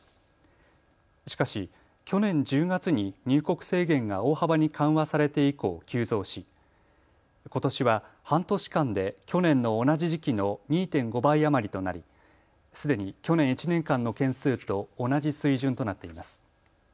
しかし去年１０月に入国制限が大幅に緩和されて以降、急増しことしは半年間で去年の同じ時期の２．５倍余りとなりすでに去年１年間の件数と同じ水準となっています。